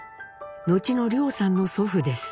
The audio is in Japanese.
後の凌さんの祖父です。